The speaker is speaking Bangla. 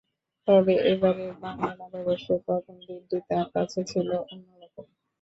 তবে এবারের বাংলা নববর্ষের প্রথম দিনটি তাঁর কাছে ছিল অন্য রকম।